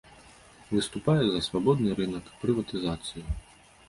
Выступае за свабодны рынак, прыватызацыю.